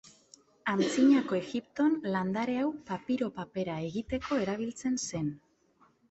Antzinako Egipton landare hau papiro papera egiteko erabiltzen zen.